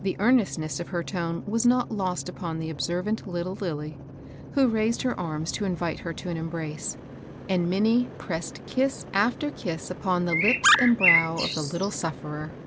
The earnestness of her tone was not lost upon the observant little Lilly, who raised her arms to invite her to an embrace, and Minnie pressed kiss after kiss upon the lips and brow of the little sufferer.